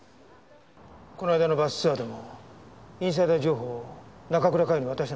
この間のバスツアーでもインサイダー情報を中倉佳世に渡したのか？